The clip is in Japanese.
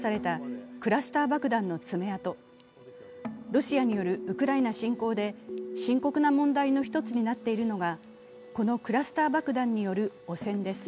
ロシアによるウクライナ侵攻で深刻な問題の１つになっているのがこのクラスター爆弾による汚染です。